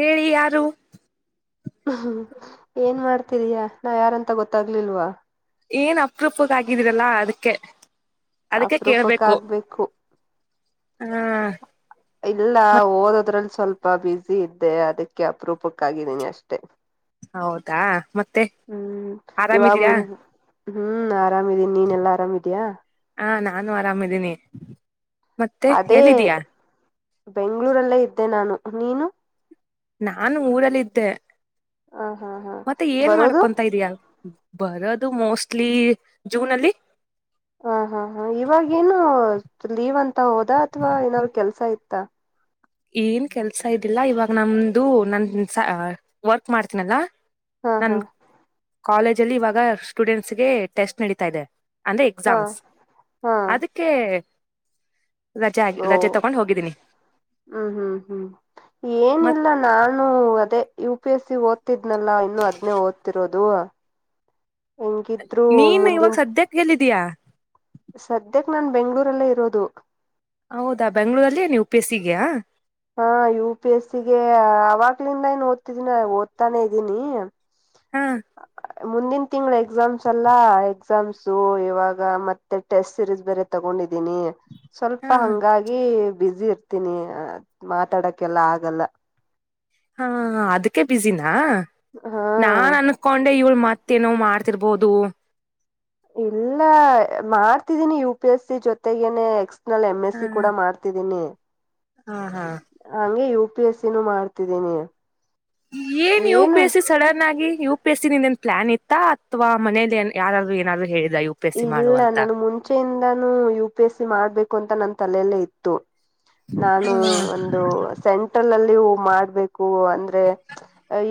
ಹೇಳಿ ಯಾರು ಹ್ಹ್ಹ್ ಏನ್ ಮಾಡ್ತಿದೀಯ ನಾ ಯಾರಂತ ಗೊತ್ತಾಗ್ಲಿಲ್ವಾ ಏನ್ ಅಪ್ರೂಪಕ್ಕೆ ಆಗಿದ್ದೀರಲ್ಲಾ ಅದಕ್ಕೆ ಅಪ್ರೂಪಕ್ ಆಗ್ಬೇಕು ಹಾ ಇಲ್ಲ ಓದದ್ರಲ್ಲಿ ಸ್ವಲ್ಪ ಬುಸಿ ಇದ್ದೆ ಅದಕ್ಕೆ ಅಪರೂಪಕ್ಕಾಗಿದ್ದೀನಿ ಅಷ್ಟೇ ಹೌದಾ ಮತ್ತೆ ಹ್ಮ್ ಇವಾಗ ಆರಾಮಿದೀಯ ಮುಂದ್ ಹ್ಮ್ ಆರಾಮಿದೀನಿ ನೀನ್ ಎಲ್ಲಾ ಆರಾಮಿದಯಾ ನಾನೂ ಆರಾಮದಿನಿ ಮತ್ತೆ ಅದೇ ಎಲ್ಲಿದಿಯಾ ಬೆಂಗ್ಳೂರಲ್ಲೇ ಇದ್ದೆ ನಾನು ನೀನು ನಾನು ಊರಲ್ಲಿದ್ದೆ ಹ ಹಾ ಹಾ ಮತ್ತೆ ಏನ್ ಬರೋದು ಮಾಡ್ಕೊಂತ ಇದಿಯ ಬರೋದು ಮೋಸ್ಟ್ಲಿ ಜೂನಲ್ಲಿ ಹ ಹಾ ಹಾ ಇವಾಗ ಏನು ಲೀವ್ ಅಂತ ಹೋದ ಅಥವಾ ಏನಾದ್ರು ಕೆಲ್ಸ ಇತ್ತ ಏನ್ ಕೆಲ್ಸ ಇದಿಲ್ಲ ಇವಾಗ ನಮ್ದು ನನ್ ವರ್ಕ್ ಮಾಡ್ತೀನಲ್ಲ ಹಾ ನನ್ ಹಾ ಕಾಲೇಜ ಅಲ್ಲಿ ಇವಾಗ ಸ್ಟೂಡೆಂಟ್ಸ್ಗೆ ಟೆಸ್ಟ್ ನಡೀತಾ ಇದೆ ಅಂದ್ರೆ ಹಾ ಎಕ್ಸಾಮ್ಸ್ ಹಾ ಅದಕ್ಕೆ ರಜೆ ಆಗಿ ಓ ರಜೆ ತಕೊಂಡ್ ಹೋಗಿದ್ದೀನಿ ಹ್ಮ್ ಹ್ಮ್ ಹ್ಮ್ ಮತ್ ಏನಿಲ್ಲ ನಾನು ಮತ್ತೆ ಯು ಪಿ ಎಸ್ಸಿ ಓದ್ತಿದ್ನಲ್ಲಾ ಇನ್ನು ಅದ್ನೇ ಓದ್ತಿರೋದು ಹೆಂಗಿದ್ರು ನೀನು ಇವಾಗ ಸದ್ಯಕ್ಕೆ ಎಲ್ಲಿದೀಯಾ ಸದ್ಯಕ್ಕೆ ನಾನ್ ಬೆಂಗ್ಳೂರಲ್ಲೇ ಇರೋದು ಹೌದಾ ಬೆಂಗ್ಗಳೂರಲ್ಲಿಯ ನೀವು ಯು ಪಿ ಎಸ್ಸಿ ಇದೆಯಾ ಹಾ ಯು ಪಿ ಎಸ್ಸಿಗೆ ಅವಾಗ್ಲಿಂದ ಏನ್ ಓದ್ತಿದೀನಿ ಓದ್ತಾನೆ ಇದ್ದೀನಿ ಹಾ ಮುಂದಿನ ತಿಂಗಳು ಎಕ್ಸಾಮ್ಸ್ ಅಲ್ಲಾ ಎಕ್ಸಾಮ್ಸು ಇವಾಗ ಮತ್ತೆ ಟೆಸ್ಟ್ ಸಿರೀಸ್ ಬೇರೆ ತಗೊಂಡಿದೀನಿ ಸ್ವಲ್ಪ ಹಾ ಹಂಗಾಗಿ ಬ್ಯುಸಿ ಇರ್ತೀನಿ ಮಾತಾಡಕ್ಕೆಲ್ಲ ಆಗಲ್ಲ ಹಾ ಅದಕ್ಕೆ ಬ್ಯುಸಿ ನಾ ಹಾ ನಾನ್ ಅನ್ಕೊಂಡೆ ಇವಳ ಮಾ ಮತ್ತೇನೋ ಮಾಡ್ತಿರ್ಬೋದು ಇಲ್ಲ ಮಾಡ್ತಿದೀನಿ ಯು ಪಿ ಎಸ್ ಸಿ ಜೊತೆಗೇನೆ ಎಕ್ಸ್ ನ ಎಮ ಎಸ್ ಹಾ ಸಿ ಕೂಡ ಮಾಡ್ತಿದೀನಿ ಹಾ ಹಾ ಹಾಂಗೆ ಯು ಪಿ ಎಸ ನು ಮಾಡ್ತಿದ್ದೀನಿ ಏನ್ ಯ ಪಿ ಏನು ಎಸ್ ಸಿ ಸಡನ್ ಆಗಿ ಯು ಪಿ ಎಸ್ ಸಿ ನಿಂದ ಏ ಪ್ಲಾನ್ ಇತ್ತ ಅಥವಾ ಮನೇಲಿ ಯಾರಾದ್ರು ಏನಾದರುೂ ಹೇಳಿ ಇಲ್ಲ ನಾನು ಮುಂಚೆಯಿಂದಾನೂ ಯುಪಿಎಸ್ಸಿ ಮಾಡ್ಬೇಕು ಅಂತ ನನ್ ತಲೆಯಲ್ಲೆ ಇತ್ತು ನಾನು ಒಂದು ಸೆಂಟ್ರಲ್ ಅಲ್ಲಿ ವು ಮಾಡ್ಬೇಕು ಅಂದ್ರೆ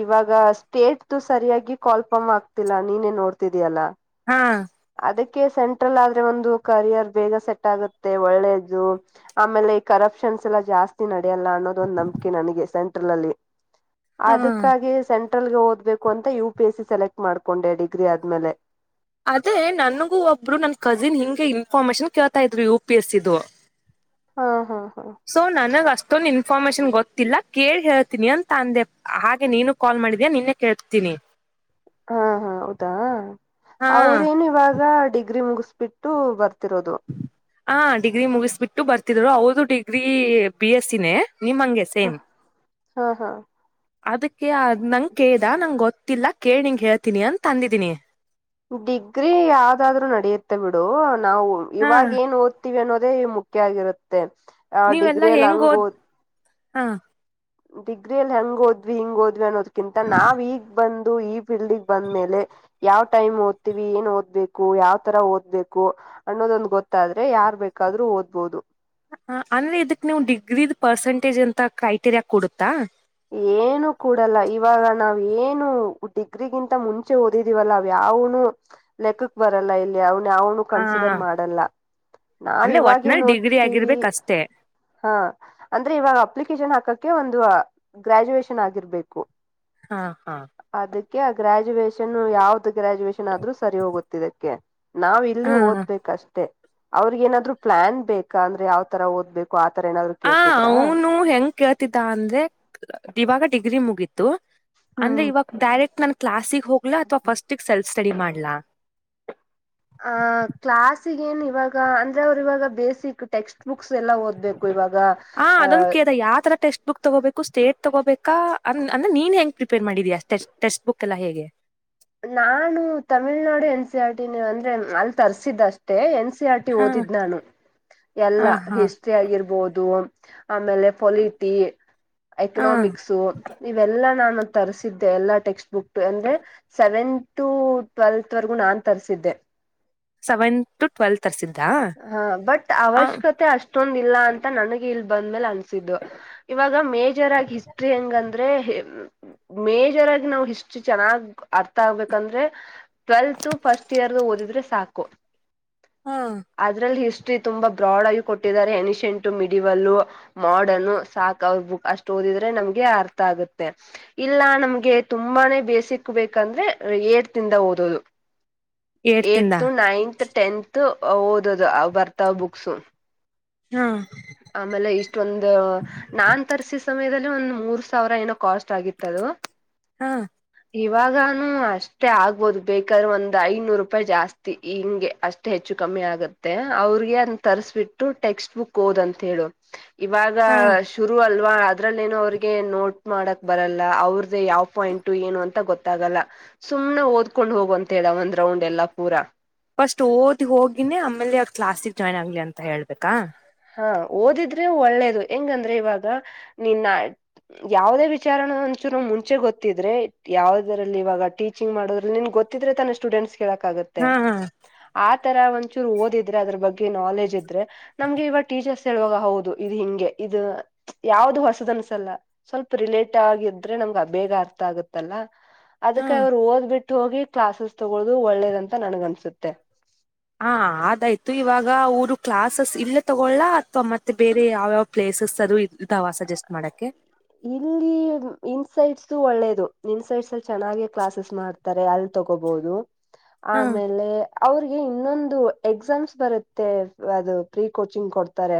ಇವಾಗ ಸ್ಟೇಟ್ ಸರಿಯಾಗಿ ಕಾಲ್ಪಮ್ ಆಗ್ತಿಲ್ಲ ನೀನೇನ್ ನೋಡ್ತಿದಯಲ್ಲ ಹಾ ಅದಕ್ಕೆ ಸೆಂಟ್ರಲ್ ಆದ್ರೆ ಒಂದು ಕರಿಯರ್ ಬೇಗ ಸೆಟ್ ಆಗುತ್ತೆ ಒಳ್ಳೇದು ಆಮೇಲೆ ಕರಪ್ಷನ್ಸ್ ಎಲ್ಲ ಜಾಸ್ತಿ ನಡ್ ಅಲ್ಲ ಅನ್ನೋದ ಒಂದು ನಂಬಿಕೆ ನನಗೆ ಸ ಲಾಲ್ಲಿ ಹಾ ಅದಕ್ಕಾಗಿ ಸನ್ ಸೆಂಟ್ರಲ್ ಓದಬೇಕು ಅಂತ ಯು ಪಿ ಎಸ್ಸ ಸೆಲೆಕ್ಟ್ ಮಾಡ್ಕೊಂಡೆ ಡಿಗ್ರಿ ಆದ್ಮೇಲೆ ಅದೇ ನನಗೂ ಒಬ್ರು ನನ್ ಕಜಿನ್ ಹಿಂಗೆ ಇನ್ಫಾರ್ಮೇಶನ್ ಕೇಳ್ತಾ ಇದ್ರು ಯು ಪಿ ಎಸ್ ದು ಹಾ ಹಾ ಹಾ ಸೊ ನನಗ ಅಷ್ಟ ಅಷ್ಟೊಂದು ಇನ್ಫಾರ್ಮೇಶನ್ ಗೊತ್ತಿಲ್ಲ ಕೇಳಿ ಹೇಳ್ತೀನಿ ಅಂತ ಅಂದೆ ಹಾಗೆ ನೀನು ಕಾಲ್ ಮಾಡಿದ್ಯಾಯ ನಿನ್ನೆ ಕೇಳ್ತೀನಿ ಹಾ ಹಾ ಹೌದಾ ಹಾ ಅವರೇನು ಇವಾಗ ಡಿಗ್ರಿ ಮುಗಿಸಿ ಬಿಟ್ಟು ಬರ್ತ ಹಾ ಡಿಗ್ರಿ ಮುಗಿಸ್ಬಿಟ್ಟು ಬರ್ತ. ರು ಅವಳದು ಡಿಗ್ರಿ ಬಿ ಎ ಸ್ಸಿ ನೇ ಹ ಹಾ ಹಾ ಅದಕ್ಕೆ ಅದ ನಂಗ ಕೇಳ್ದ ನಂಗ ಗೊತ್ತಿಲ್ಲ ಕೇಳಿ ನಿಂಗ್ ಹೇಳ್ತೀನಿ ಅಂತ ಅಂದಿದೀನಿ ಡಿಗ್ರಿ ಯಾವ್ದಾದ್ರು ನಡೆಯುತ್ತೆ ಬಿಡು ನಾವು ಹಾ ಇವಾಗ ಏನ್ ಓದ್ತಿವಿ ಅನ್ನೋದ ಅನ್ನೋದೇ ಮುಖ್ಯ ಆಗಿರುತ್ತೆ. ಹ ನೀವೆಲ್ಲಾ ಡಿಗ್ರಿಯಲ್ಲಿ ಹೆಂಗ್ ಹಂಗ ಓದ್ ಒದ್ದೆ ಹ ಡಿಗ್ರಿಲ್ಲಿ ಹ ಹೆಂಗ ಹೋದ್ವಿ ಹಿಂಗ ಹೋದ್ವಿ ಅನ್ನೋದ ಕಿಂತ ನಾವ್ ಈಗ್ ಬಂದ ಈ ಫೀಲ್ಡ್ಗೆ ಬಂದ ಮೇಲೆ ಯಾವ ಟೈಮ್ ಓದ್ತಿವಿ ಏನ್ ಓದ್ಬೇಕು ಯಾವ್ರ ಓದ್ಬೇಕು ಅನ್ನೋದೊಂದ ಗೊತ್ತಾದ್ರೆ ಯಾರ್ ಬೇಕಾದ್ರೂ ಓದ್ಬೋದು ಅಂದ್ರೆ ಇದಕ್ ನೀವು ಡಿಗ್ರಿದ್ ಪರ್ಸೆಂಟೇಜ್ ಅಂತ ಕ್ರೈಟೇರಿಯಾ ಕೊಡುತ್ತಾ ಏನು ಕೂಡಲ್ಲ ಇವಾಗ ನಾವ ಏನು ಡಿಗ್ರಿಗಿಂತ ಮುಂಚೆ ಓದಿದೀವಲ್ಲ ಅವ ಯಾವನು ಲೆಕ್ಕಕ್ ಬರಲ್ಲ ಇಲ್ಲಿ ಯವು ಯಾನು ಹ ಕನ್ಸಿಡರ್ ಮಾಡಲ್ಲ ನಾವು ಅಂದ್ರೆ ಒಟ್ನಲ್ಲಿ ಇವಾಗೇನು ಡಿಗ್ರಿ ಓದ್ತೀವಿ ಆಗಿರ್ಬೇಕಷ್ಟೇ ಹಾ ಅಂದ್ರೆ ಇವಾಗ ಅಪ್ಲಿಕೇಶನ್ ಹಾಕ ಕೆ ಒಂದುವ ಗ್ರ್ಯಾಜುಯೇಷನ್ ಆಗಿರ್ಬೇಕು ಹಾ ಹಾ ಅದಕ್ಕೆ ಗ್ರಾಜುಯೇಷನ್ ಯಾವ್ದ್ ಗ್ರಾಜುಯೇಷನ್ ಆದ್ರೂ ಸರಿ ಹೋಗುತ್ತಿದ್ದಕ್ಕೆ ನಾವ್ ಇಲ್ಲಿ ಹ ಓದ್ಬೇಕಷ್ಟೇ ಅವ್ರಗೆನಾದ್ರು ಪ್ಲಾನ್ ಬೇಕಾ ಅಂದ್ರೆ ಯಾವ್ ತರ ಓದ್ಬೇಕು ಆತರ ಏನಾದ್ರು ಆ ಕೇಳ್ತಿದ್ರಾ ಅವ್ನು ಹೆಂಗ ಕೇಳ್ತಿತ ಅಂದ್ರೆ ಇವಾಗ ಡಿಗ್ರಿ ಮುಗಿತ್ ತ್ತು ಅಂದ್ರೆ ಹ್ಮ್ ಇವಾಗ ಡೈರೆಕ್ಟ್ ನಾನ್ ಕ್ಲಸ್ ಹೋಗ್ಲ ಅಥವಾ ಫಸ್ಟ ಸೆಲ್ಫ ಸ್ಟಡಿ ಮಾಡ್ಲಾ ಆ ಕ್ಲಸ್ಗಏನ್ ಇವಾಗ ಅಂದ್ರೆ ಅವರು ಇವಾಗ ಬೇಸಿಕ್ ಟೆಕ್ಸ್ಟ್ ಬುಕ್ ಬುಕ್ಸ್ ಎಲ್ಲಾ ಓದ್ಬೇಕು ಇವಾಗ ಆ ಅಹ ಅದೊಂದ ಕೇಳ್ದ ಯಾವ ತರ ಟೆಕ್ಸ್ಟ್ ಬುಕ್ ತಗೋಬೇಕು ಸ್ಟೇಟ್ ತಗೋಬೇಕಾ ಅಂದ್ರೆ ನಿ ನೀನ್ ಹೆಂಗ ಪ್ರಿಪೇರ್ ಮಾಡಿದೀಯಾ ಟೇಶ್ ಟೆಸ್ಟ್ ಬುಕ್ ಎಲ್ಲ ಹೇಗೆ ನಾನು Tamil Nadu N C R T ಅಂದ್ರೆ ಅಲ್ಲಿ ತರ್ಸಿದ್ದಷ್ಟೇ ಏನ್ ಸಿ ಆರ್ ಟಿ ಹಾ ಓದಿದ್ ನಾನು ಹ ಎಲ್ಲಾ ಹಾ ಹಿಸ್ಟ್ರಿ ಆಗಿರ್ಬೊದು ಆಮೇಲೆ ಪೊಲಿಟಿ ಹ ಎಕನಾಮಿಕ್ಸ್ ಇವೆಲ್ಲಾ ನಾನು ತರಿಸಿದ್ದೆ ಎಲ್ಲಾ ಟೆಕ್ಸ್ಟ್ ಬುಕ್ ಅಂದ್ರೆ ಸೆವೆಂತ್ ಟು ಟ್ವೆಲ್ತ್ವರೆಗೂ ನಾನ್ ತರಿಸಿದ್ದೆ ಸೆವೆಂತ್ ಟ್ವೆಲ್ತ್ ತರ್ಸಿದ್ ಹ ಬಟ್ ಅವಶ್ಯಕತೆ ಅಷ್ಟೊಂದ ಇಲ್ಲ ಅಂತ ನನಗ್ ಇಲ್ ಬಂದ್ಮೇಲೆ ಅನ್ಸಿದ್ದು ಇವಾಗ ಮೇಜರ್ ಆಗಿ ಹಿಸ್ಟ್ರಿ ಹೆಂಗಂದ್ರೆ ಮೇಜರ್ ಆಗ್ ನಾವ್ ಹಿಸ್ಟ್ರಿ ಚೆನ್ನಾಗ್ ಅರ್ಥ ಆಗ್ಬೇಕಂದ್ರೆ ಟ್ವೆಲ್ತ್ ಫಸ್ಟ್ ಇಯರ್ ಓದಿದ್ರೆ ಸಾಕ್ ಸಾಕು ಹಾ ಅದ್ರಲ್ಲಿ ಹಿಸ್ಟ್ರಿ ತುಂಬಾ ಬ್ರಾಡ್ ಆಗಿ ಕೊಟ್ಟಿದ್ದಾರೆ ಎನ್ಶೆಂಟು ಮಿಡಿವಲ್ ಮಾಡನ್ ಸಾಕ ಅವ್ರ ಬುಕ್ ಅಷ್ಟು ಓದಿದ್ರೆ ನಮ್ಗೆ ಅರ್ಥ ಆಗುತ್ತೆ ಇಲ್ಲ ನಮ್ಗೆ ತುಂಬಾನೇ ಬೇಸಿಕ್ ಬೇಕಂದ್ರೆ ಏಟ್ ತಿಂದ ಓದೋದು. ಏಟ್ ಏಡ್ತಿಂದ ಟು ನೈನ್ತ್ ಟೆಂತು ಓದದು ಬರ್ತಾವ ಬುಕ್ಸು ಹಾ ಆಮೇಲೆ ಇಷ್ಟೊಂದು ನಾನ್ ತರ್ಸಿ ಸಮಯದಲ್ಲಿ ಒಂದ್ ಮೂರ್ ಸಾವಿರ ಏನೋ ಕಾಸ್ಟ್ ಆಗಿತ್ತದು ಹಾ ಇವಾಗಾನು ಅಷ್ಟೇ ಆಗ್ಬೋದ ಬೇಕಾದ್ರೆ ಒಂದು ಐನೂರು ರೂಪಾಯಿ ಜಾಸ್ತಿ ಹಿಂಗೆ ಅಷ್ಟೇ ಹೆಚ್ಚು ಕಮ್ಮಿ ಆಗತ್ತೆ ಅವ್ರಿಗೆ ಅನ್ ತರಿಸಿಬಿಟ್ಟು ಟೆಕ್ಸ್ಟ್ ಬುಕ್ ಕೋದಂತ್ ಹೇಳು ಇವಾಗ ಹಾ ಶುರು ಅಲು ಅದ್ರಲ್ಲ ಏನೋ ಅವ್ರಿಗೆ ನೋಟ್ ಮಾಡಕ್ ಬರಲ್ಲ ಅವ್ರ್ದ ಯಾವ್ ಪಾಯಿಂಟ್ ಏನು ಅಂತ ಗೊತ್ತಾಗಲ್ಲ ಸುಮ್ನೆ ಓದ್ಕೊಂಡ್ ಹೋಗುವಂತೆ ಹೇಳು ಆ ಒಂದು ರೌಂಡ್ ಎಲ್ಲಾ ಪೂರಾ ಫಸ್ಟ್ ಓದಿ ಹೋಗಿನೇ ಆಮೇಲೆ ಆಗ್ ಕ್ಲಾಸಿಗೆ ಜಾಯ್ನ್ ಆಗ್ಲಿ ಅಂತ ಹೇಳ್ಬೇಕಾ ಹಾ ಓದಿದ್ರೆ ಒಳ್ಳೇದು ಹೆಂಗಂದ್ರೆ ಇವಾಗ ನಿನ್ನ ಯಾವದೇ ವಿಚಾರ ಒಂಚೂ ಮುಂಚೆ ಗೊತ್ತಿದ್ರೆ ಯಾವದರಲ್ಲಿ ಇವಾಗ ಟೀಚಿಂಗ್ ಮಾಡೋದ್ರಲ್ಲಿ ನಿನ್ ಗೊತ್ತಿದ್ರೆ ತನ್ನ ಸ್ಟೂಡೆಂಟ್ಸ್ಗೆ ಹೇಳಕ್ಕಾಗುತ್ತೆ ಹಾ ಅತ್ ತರ ಒಂಚೂರು ಓದಿದ್ರೆ ಅದ್ರ ಬಗ್ಗೆ ನಾಲೆಜ್ ಇದ್ರೆ ನಮ್ಗೆ ಇವ ಟೀಚರ್ಸ್ ಹೇಳುವಾಗ ಹೌದು ಇದು ಹಿಂಗೆ ಇದು ಯಾವ್ದ ಹೊಸದ ಅನ್ಸಲ್ಲ ಸ್ವಲ್ಪ ರಿಲೇಟ್ ಆಗಿದ್ರೆ ನಮ್ಗೆ ಬೇಗ ಅರ್ಥ ಆಗುತ್ತಲ್ಲ ಹಾ ಅದಕ್ಕೆ ಅವರು ಓದಿಬಿಟ್ ಹೋಗಿ ಕ್ಲಾಸಸ್ ತಗೊಳ್ಳೋದು ಒಳ್ಳೆಯದಂತ ನಂಗ್ ಅನ್ಸುತ್ತೆ ಅದಾಯ್ತು ಇವಾಗ ಕ್ಲಾಸಸ್ ಇಲ್ಲೇ ತಗೊಳ್ಳ ಇಲ್ಲ ಮತ್ತೆ ಯಾವ್ದಾರು ಬೇರೆ ಪ್ಲೇಸ್ ಇದಿಯಾ ಸಜೆಸ್ಟ್ ಮಾಡಕ್ಕೆ ಇಲ್ಲಿ ಇನ್ಸೈಟ್ಸು ಒಳ್ಳೇದು ಇನ್ಸೈಟ್ಸ್ ಅಲ್ಲಿ ಚೆನ್ನಾಗೆ ಕ್ಲಾಸಸ್ ಮಾಡ್ತಾರೆ ಅಲ್ಲಿ ತಗೋಬಹುದು ಹ ಆಮೇಲೆ ಅವ್ರಿಗೆ ಇನ್ನೊಂದು ಎಕ್ಸಾಮ್ಸ್ ಬರುತ್ತೆ ಅದು ಪ್ರೀ ಕೋಚಿಂಗ್ ಕೊಡ್ತಾರೆ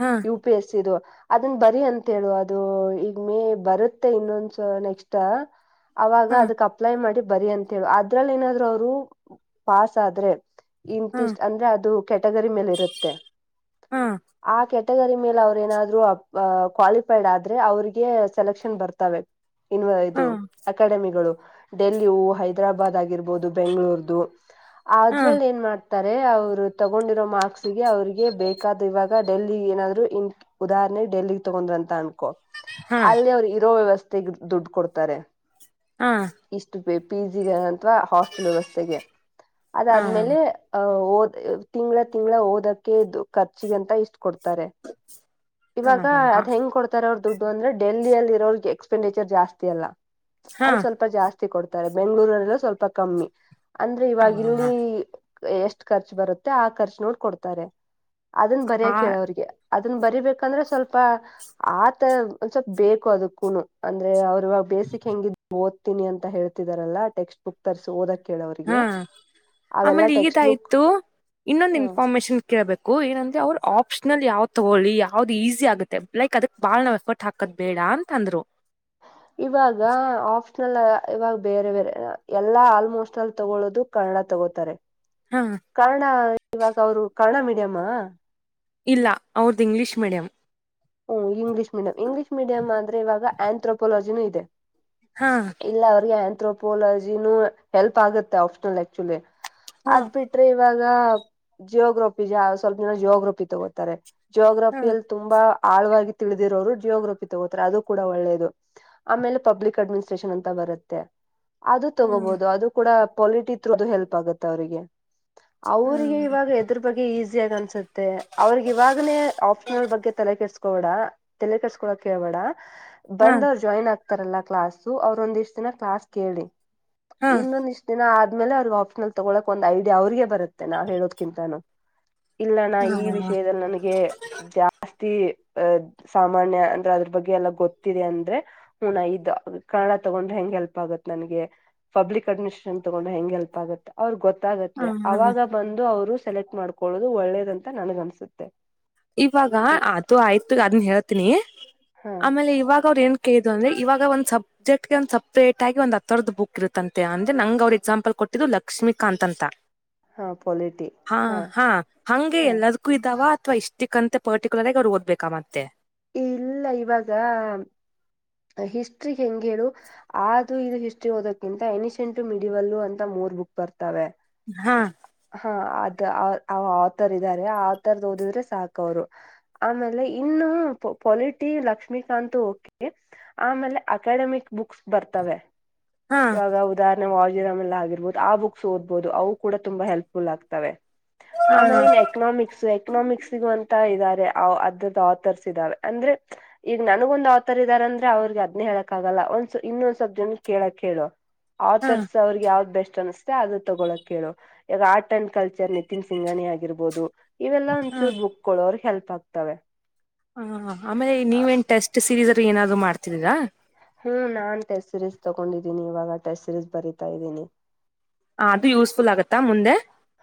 ಹಾ ಯು ಪಿ ಎಸ್ ಸಿ ಇದು ಅದುನ್ನ ಬರಿ ಅಂತ ಹೇಳು ಮೇ ಇನ್ನೊಂದು ಬರುತ್ತೆ ನೆಕ್ಸ್ಟ್ ಅವಾಗ ಹಾ ಅದಕ್ ಅಪ್ಲೈ ಮಾಡಿ ಬರಿ ಅಂತ ಹೇಳ ಅದ್ರಲ್ಲಿ ಏನಾದ್ರು ಅವರು ಪಾಸ್ ಆದ್ರೆ ಹಾ ಇಂತಿಷ್ಟ ಅಂದ್ರೆ ಅದು ಕೆಟಗರಿ ಮೇಲೆ ಇರುತ್ತೆ ಹಾ ಆ ಕೆಲಸ ಕ್ಯಾಟಗರಿ ಮೇಲೆ ಅವ್ರ ಏನಾದ್ರು ಅ ಕ್ವಾಲಿಫೈಡ್ ಆದ್ರೆ ಅವ್ರಿಗೆ ಸೆಲೆಕ್ಷನ್ ಬರ್ತವೆ ಇನ್ನು ಹಾ ಇದು ಅಕಾಡೆಮಿಗಳು ಡೆಲ್ಲಿ ಹೈದರಾಬಾದ್ ಆಗಿರಬಹುದು ಬೆಂಗಳೂರು ಆಗಿರಬಹುದು ಹಾ ಅದ್ರಲ್ಲಿ ಏನ್ ಮಾಡ್ತಾರೆ ಅವ್ರು ತಗೊಂಡಿರೋ ಮಾರ್ಕ್ಸ್ ಅವ್ರರಿಗೆ ಬೇಕಾದ ಇವಾಗ ಡೆಲ್ಲಿ ಏನಾದ್ರು ಇನ್ ಉದಾಹರಣೆ ಡೆಲ್ಲಿಗ್ ತಗೊಂಡ್ರ ಅನ್ಕೋ ಹಾ ಹಾ ಅಲ್ಲಿ ಅವ್ರು ಇರೋ ವ್ಯವಸ್ಥೆ ತೆಗೆದು ದುಡ್ಡು ಕೊಡ್ತಾರೆ ಹಾ ವ ಪಿಸಿಗ [unintelligible] ಅವಾ ಹಾಸ್ಟೆಲ್ ವ್ಯವಸ್ಥೆಗೆ ಹಾ ಅದಾದ್ಮೇಲೆ ಆ ಓದ್ ತಿಂಗಳ ತಿಂಗಳ ಓದಕ್ಕೆ ಖರ್ಚಿಗಂತ ಇಷ್ಟ ಇವಾಗ ಹಾ ಅದ್ ಹೆಂಗ್ ಕೊಡ್ತಾರೆ ಅವ್ರ್ದ ದುಡ್ಡು ಅಂದ್ರೆ ಡೆಲ್ಲಿ ಅಲ್ಲಿ ಇರೋಗೆ ಎಕ್ಸ್ಪೆಂಡಿಚರ್ ಜಾಸ್ತಿ ಅಲ್ಲ ಹಾ ಅಲ್ಲಿ ಸ್ವಲ್ಪ ಜಾಸ್ತಿ ಕೊಡ್ತಾರೆ ಬೆಂಗಳೂರರೆಲ್ಲ ಸ್ವಲ್ಪ ಕಮ್ಮಿ ಅಂದ್ರೆ ಇವಾಗ ಇಲ್ಲಿ ಎಷ್ಟ್ ಖರ್ಚು ಬರುತ್ತೆ ಆ ಖರ್ಚು ನೋಡ್ಕ ಕೊಡ್ತಾರೆ ಅದನ್ ಬರಯಕೆ ಹಾ ಅದನ್ನ ಬರಿಬೇಕಂದ್ರೆ ಸ್ವಲ್ಪ ಆತ ಒಂದ ಸ್ವಲ್ಪ ಬೇಕು ಅದು ಕುನು ಅಂದ್ರೆ ಅವ ಇವಾಗ ಬೇಸಿಕ್ ಹೆಂಗ್ ಓ ತಿನಿ ಅಂತ ಹೇಳ್ತಿದಾರಲ್ಲ ಟೆಕ್ಸ್ಟ್ ಬುಕ್ ತರಿಸಿಓದಕ್ಕೆ ಹಾ ಆಮೇಲೆ ಟೆಕ್ಸ್ಟ್ ಬುಕ್ ಇದಯ್ತು ಇನ್ನೊಂದ್ ಹ್ಮ ಇನ್ಫಾರ್ಮೇಶನ್ ಕೇಳಬೇಕ್ ಏನಂದ್ರ ಅವರು ಆಪ್ಷನಲ್ ಯಾವ್ ತಗೊಳ್ಳಿ ಯಾವ್ದ್ ಈಸಿ ಆಗುತ್ತೆ ಲೈಕ್ ಅದಕ್ ಬಾಳ್ ನಾವ್ ಎಫರ್ಟ್ ಹಾಕದ್ ಬೇಡ ಅಂತ ಅಂದ್ರು ಇವಾಗ ಆಫ್ ಇವಾಗ ಬೇರೆ ಬೇರೆ ಎಲ್ಲಾ ಆಲ್ಮೋಸ್ಟ್ ಅಳ್ ತಗೊಳದು ಕನ್ನಡ ತಗೋತಾರೆ ಹಾ ಕಾರಣ ಇವಾಗ ಅವರು ಕರ್ಣ ಮೀಡಿಯಮ್ಮಾ ಇಲ್ಲ ಅವ್ರದ್ದ್ ಇಂಗ್ಲಿಷ್ ಮೀಡಿಯಂ ಹ್ಮ್ ಇಂಗ್ಲಿಷ್ ಮೀಡಿಯಂ ಇಂಗ್ಲೀಷ್ ಮಿಡಿಯಂ ಅಂದ್ರೆವಾಗ ಆಂಥ್ರೋಪೊಲಜಿನೂ ಇದೆ ಹಾ ಇಲ್ಲ ಅವ್ರಿಗೆ ತ್ರೋಪೋಲಜಿನೂ ಹೆಲ್ಪ್ ಆಗುತ್ತೆ ಆಪ್ಷನಲ್ ಆಕ್ಚುಲಿ ಹಾ ಅದ್ ಬಿಟ್ರೆ ಇವಾಗ್ ಜಿಯೋಗ್ರಫಿ ಜ ಸ್ವಲ್ಪ ಜನ ಜಿಯೋಗ್ರಫಿ ತಗೋತಾರೆ ಹಾ ಜೋಗ್ರಫಿಯಲ್ ತುಂಬಾ ಆಳ್ವಾಗಿ ತಿಳಿದಿರೋರು ಜಿಯೋಗ್ರಫಿ ತಗೋತಾರೆ ಅದು ಕೂಡ ಒಳ್ಳೇದು ಆಮೇಲೆ ಪಬ್ಲಿಕ್ ಅಡ್ಮಿನಿಸ್ಟ್ರೇಷನ್ ಅಂತ ಬರುತ್ತೆ ಅದು ತಗೋಬೊದು ಅದು ಕೂಡ ಪೊಲಿಟಿ ತೃ ಅದು ಹೆಲ್ಪ್ ಆಗುತ್ತೆ ಅವರಿಗೆ ಹಾ ಅವ್ರಿಗೆ ಇವಾಗ ಎದ್ರ ಬಗ್ಗೆ ಈಸಿ ಆಗಿ ಅನ್ಸುತ್ತೆ ಅವ್ರಿಗೆ ಇವಾಗನೇ ಆಪ್ಷನಲ್ ಬಗ್ಗೆ ತಲೆ ಕೆಡ್ಸ್ಕ ತೋಡ ತೆಲೆ ಕಸ್ಕೋಳ ಹೇಳ್ಬೇಡ ಹಾ ಬಂದ್ ಅವ್ರ ಜಾಯಿನ್ ಆಗ್ ತಾರ್ಲ್ಲಾ ಕ್ಲಾಸು ಅವ್ರ ಒಂದ್ ಇಷ್ಟ ದಿನ ಕ್ಲಾಸ್ ಕೇಳಿ ಹಾ ಇನ್ನ ನಿ ಇಷ್ಟ ದಿನ ಆದ್ ಆದ್ಮೇಲೆ ಅವ್ರರು ಆಪ್ಷನಲ್ ತೊಗೊಳಕ್ ಒಂದ ಐಡಿಯ ಅವ್ರಿಗೆ ಬರುತ್ತೆ ನಾವ್ ಹೇಳೋದಕಿಂತನೂ ಇಲ್ಲಣ್ಣ ಹಾ ಈ ಹಾ ವಿಷಯದಲ್ಲಿ ನನಗೆ ಜಾಸ್ತಿ ತಿ ಅ ಸಾಮಾನ್ಯ ಅಂದ್ರೆ ಅದ್ರ ಬಗ್ಗೆ ಎಲ್ಲ ಗೊತ್ತಿದೆ ಅಂದ್ರೆ ಹು ಇದು ಕನ್ನಡ ತಗೊಂಡ್ರೆ ಹೆಂಗ್ ಹೆಲ್ಪ್ ಆಗುತ್ತ ನನ್ಗೆ ಪಬ್ಲಿಕ್ ಅಡ್ಮಿನಿಸ್ಟ್ರೇಷನ್ ತಗೊಂಡ್ರೆ ಹೆಂಗ್ ಹೆಲ್ಪ್ ಆಗತ್ ಅವ್ರ ಗೊತ್ ತಗುತ್ತೆ ಹಾ ಅವಾಗ ಬಂದು ಅವ್ರು ಸೆಲೆಕ್ಟ್ ಮಾಡ್ಕೊಳ್ಳೋದು ಒಳ್ಳೇದಂತ ನನ್ಗ್ ಅನ್ಸುತ್ತೆ ಇವಾಗ ಈ ಆ ಆಯ್ತು ಅದನ್ ಹೇಳ್ತೀನಿ ಹಾ ಆಮೇಲೆ ಇವಾಗ ಅವ್ರ ಏನ್ ಕೆ ಇದು ಅಂದ್ರೆ ಇವಾಗ ಒಂದ್ ಸಬ್ಜೆಕ್ಟ್ಗೆ ಒಂದ್ ಸಪ್ರೇಟ್ ಆಗಿ ಒಂದ ಹತ್ತರದ ಬುಕ್ ಇರುತ್ತಂತೆ ಅಂದ್ರೆ ನಂಗ್ ಅವ್ರರು ಎಕ್ಸಾಂಪಲ್ ಕೊಟ್ಟಿದ್ದು ಲಕ್ಷ್ಮೀಕಾಂತ್ ಅಂತ ಹಾ ಪೊಲಿಟಿ ಹಾ ಹಾ ಹಂಗೆ ಹಾ ಎಲ್ಲದಕ್ಕೂ ಇದ್ದಾವ ಅ ತ್ವ ಇಷ್ ಇದ್ಕ್ಕಂತ ಪರ್ಟಿಕ್ಯುಲರ್ಗಿ ಅವ್ ಓದ್ಬೇಕಾ ಮತ್ತೆ ಇಲ್ಲ ಇವಾಗ ಹಿಸ್ಟ್ರಿ ಹೆಂಗ್ ಹೇಳು ಅದು ಇದು ಹಿಸ್ಟ್ರಿ ಓದಕ್ಕಿಂತ ಎನಿಸೆಂಟ ಮಿಡಿವಲ್ಲ ಅಂತ ಮೂರ್ ಬುಕ್ ಬರ್ತವೆ ಹಾ ಹಾ ಅದು ಆ ಆಥರ್ ಇದ್ದಾರೆ ಆ ಆಥರ್ದ ಓದಿದ್ರೆ ಸಾಕವ್ರು ಆಮೇಲೆ ಇನ್ನು ಪೊಲಿಟಿ ಲಕ್ಷ್ಮೀಕಾತ್ ಓಕೆ ಆಮೇಲೆ ಅಕಾಡೆಮಿಕ್ ಬುಕ್ಸ್ ಬರ್ತವೆ ಹಾ ಇವಾಗ ಉದಾರ್ ನ ವಾಜಿರಾಮ್ ಎಲ್ಲ ಆಗಿರ್ಬಹುದು ಆ ಬುಕ್ಸ್ ಓದಬೋದು ಅವು ಕೂಡ ತುಂಬಾ ಹೆಲ್ಪ್ಫುಲ್ ಆಗ್ತವೆ ಹಾ ಆಮೇಲೆ ಇನ್ ಎಕನಾಮಿಕ್ಸ್ ಎಕನಾಮಿಕ್ಸ್ಗ ಇದ್ದಾರೆ ಅದ್ರದ ಆಥರ್ಸ್ ಇದ್ದಾವೆ ಅಂದ್ರೆ ಈಗ ನನಗ ಒಂದು ಆಥರ್ ಇದ್ದಾರೆ ಅಂದ್ರೆ ಅವ್ರಿಗೆ ಅದ್ನೆ ಹೇಳಕಾಗಲ್ಲ ಒಂದ್ ಇನ್ನೊಂದ್ ಸಬ್ಜೆಕ್ಟ್ ಕೇಳಕ್ಕೆ ಹೇಳೇಳೋ ಆವ್ ಹಾ ತರ್ಸ ಅವ್ರಗ್ ಯಾವ್ದ್ ಬೆಸ್ಟ್ ಅನ್ಸ್ತ. ತಾ ಅದು ತಗೊಳಕ್ ಕೇಳು ಈಗ art and culture Nitin Singhania ಆಗಿರ್ಬೋದು. ಇವೆಲ್ಲ ಒಂಚೂರು ಬುಕ್ಗಳು ಅವ್ರಿಗೆ ಹೆಲ್ಪ್. ಸತ್ತವೇ. ಹಾ ಆಮೇಲೆ ನೀವೇನ್ ಟೆಸ್ಟ್ ಸೀರೀಸ್. ಏನಾದ್ರೂ ಮಾಡ್ತಿದೀರಾ. ಹ್ಮ್ ನಾನ್ ಟೆಸ್ಟ್ ಸಿರೀಸ್ ತಗೊಂಡಿದ್ದೀನಿ ಇವಾಗ ಟೆಸ್ಟ್ ಸಿರೀಸ್ ಬರತಾ ಇದ್ದೀನಿ. ಆ ಅದು ಯೂಸ್ಫುಲ್ ಆಗತ್ತಾ ಮುಂದೆ.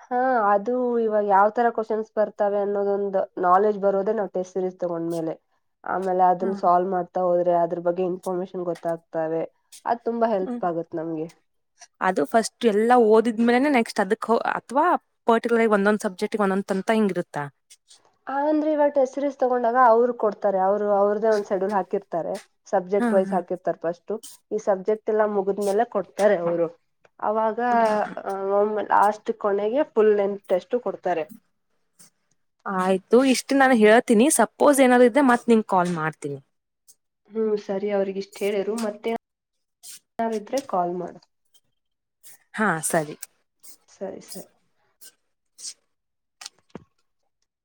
ಹಾ ಅದು ಇವಾಗ ಯಾವ್ ತರ ಕ್ವಶನ್ಸ್ ಬರ್ತವೆ ಅನ್ನೋದೊಂದು ನಾಲೆಜ್ ಬರೋದೇ ನಾವ್ ಟೆಸ್ಟ್ ಸೀರೀಸ್ ತಗೊಂಡ್ಮೇಲೆ. ಆಮೇಲೆ ಅದನ್ನ ಹ್ಮ ಸಾಲ್ವ್ ಮಾಡ್ತಾ ಹೋದ ಅದ್ರ ಬಗ್ಗೆ ಇನ್ಫಾರ್ಮೇಶನ್ ಗೊತ್ತಾಗ್ತಾವೆ ಹ್ಮ್ ಅದು ಫಸ್ಟ್ ಎಲ್ಲಾ ಓದಿದ್ದ ಆ ಮೇಲೆನೆ ನೆಕ್ಸ್ಟ್ ಅದಕ್ ಅಥವಾ ಪರ್ಟಿಕ್ಯುಲರ್ಗಿ ಒಂದೊಂದ್ ಸಬ್ಜೆಕ್ಟ್ ಒಂದೊಂದ್ ಅಂತ ಹಿಂಗಿರುತ್ತಾ ಅಂದ್ರೆ ಇವಟ್ ಹೆಸರೀಸ್ ತಗೊಂಡಾಗ ಅವ್ರು ಕೊಡ್ತಾರೆ ಅವರು ಅವ್ರದೇ ಒಂದು ಸೆಡ್ಯಲ್ ಹಾಕಿರ್ತಾರೆ ಹಾ ಸಬ್ಜೆಕ್ಟ್ ವೈಸ್ ಹಾ ಹಾಕಿರ್ತಾರೆ ಫಸ್ಟ್ ತೂ ಈ ಸಬ್ಜೆಕ್ಟ್ ಎಲ್ಲಾ ಮುಗಿದ್ಮೇಲೆ ಕೊಡ್ತಾರೆ ಅವರು ಹೇಳಿದರು ಅವಾಗ ಒಮ್ಮ ಲಾಸ್ಟ್ ಕೊನೆಗೆ ಫುಲ್ ಲೆಂಥ್ ಟೆಸ್ಟು ಕೊಡ್ತಾರೆ. ಆಯ್ತು ಇಷ್ಟು ನಾನು ಹೇಳ್ತೀನಿ ಸಪೋಸ್ ಏನಾದ್ರು ಇದ್ರೆ ಮತ್ತ ನಿಂಗ್ ಕಾಲ್ ಮಾಡ್ತೀನಿ. ಹ್ಮ್ ಸರಿ ಅವ್ರಗ ಇಷ್ಟ್ ಹೇಳಿರು ಮತ್ತೆ. ಯಾರಿದ್ರೆ ಕಾಲ್ ಮಾಡು. ಹಾ ಸರಿ. ಸರಿ ಸರಿ.